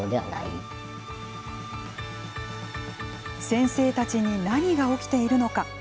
先生たちに何が起きているのか。